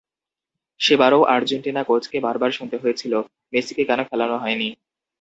সেবারও Argentina কোচকে বারবার শুনতে হয়েছিল, মেসিকে কেন খেলানো হয়নি?